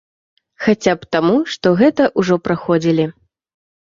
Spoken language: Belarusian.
Хаця б таму, што гэта ўжо праходзілі.